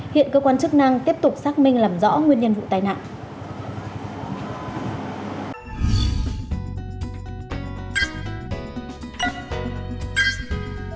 hiện cơ quan chức năng tiếp tục xác minh làm rõ nguyên nhân vụ tai nạn